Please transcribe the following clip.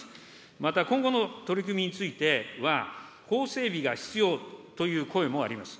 また、今後の取り組みについては、法整備が必要という声もあります。